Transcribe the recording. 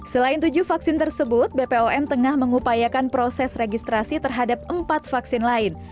selain tujuh vaksin tersebut bpom tengah mengupayakan proses registrasi terhadap empat vaksin lain